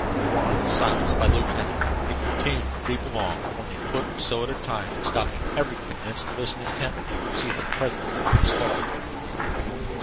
Warned to silence by the lieutenant, they continued to creep along, only a foot or so at a time, stopping every few minutes to listen intently to see if their presence had been discovered.